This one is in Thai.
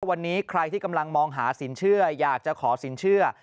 วันนี้ใครที่กำลังมองหาสินเชื่ออยากจะขอสินเชื่อ